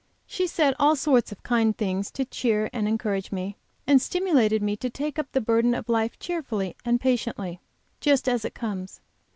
She said all sorts of kind things to cheer and encourage me, and stimulated me to take up the burden of life cheerfully and patiently, just as it comes.